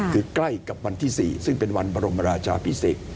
คือใกล้กับวันที่๔ซึ่งเป็นวันบรมราชาพิเศษ